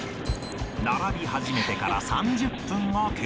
並び始めてから３０分が経過